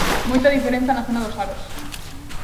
Moita diferenza na zona dos aros.